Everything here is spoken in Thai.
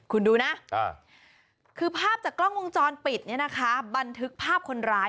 คุณดูนะคือภาพจากกล้องวงจรปิดเนี่ยนะคะบันทึกภาพคนร้าย